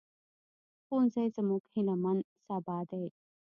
ښوونځی زموږ هيلهمن سبا دی